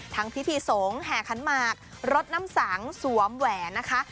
พิธีสงฆ์แห่ขันหมากรถน้ำสังสวมแหวนนะคะ